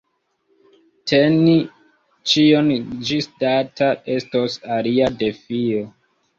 Teni ĉion ĝisdata estos alia defio.